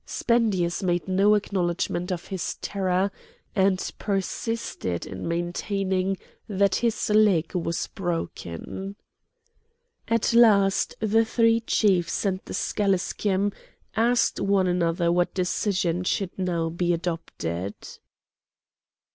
Spendius made no acknowledgement of his terror, and persisted in maintaining that his leg was broken. At last the three chiefs and the schalischim asked one another what decision should now be adopted.